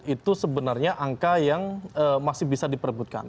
itu sebenarnya angka yang masih bisa diperbutkan